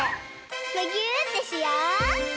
むぎゅーってしよう！